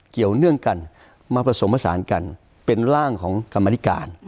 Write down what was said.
เกี่ยวเนื่องกันมาผสมผสานกันเป็นร่างของกรรมธิการ